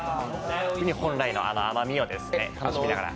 うに本来の甘みを楽しみながら。